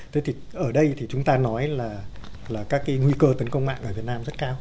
thế thì ở đây thì chúng ta nói là các cái nguy cơ tấn công mạng ở việt nam rất cao